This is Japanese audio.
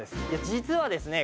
実はですね